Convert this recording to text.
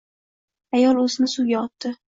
Ayol o‘zini suvga otdi.